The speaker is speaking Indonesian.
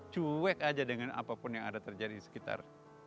cuek aja dengan apapun yang ada terjadi di sekitar